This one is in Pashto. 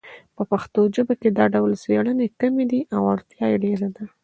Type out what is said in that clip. په پښتو ژبه کې دا ډول څیړنې کمې دي او اړتیا یې ډېره ده